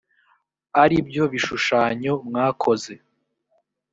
ari byo bishushanyo mwakoze